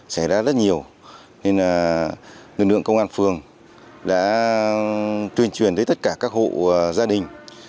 xảy ra rất nhiều nên lực lượng công an phường đã tuyên truyền tới tất cả các hộ gia đình